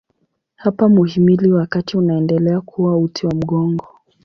Hapa mhimili wa kati unaendelea kuwa uti wa mgongo.